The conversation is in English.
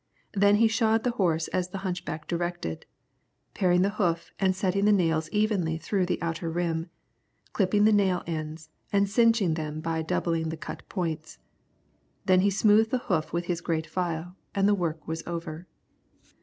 Then he shod the horse as the hunchback directed, paring the hoof and setting the nails evenly through the outer rim, clipping the nail ends, and clinching them by doubling the cut points. Then he smoothed the hoof with his great file and the work was over.